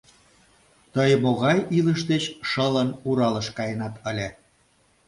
Тый, могай илыш деч шылын, Уралыш каенат ыле?